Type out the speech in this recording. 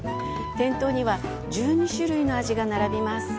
店頭には１２種類の味が並びます。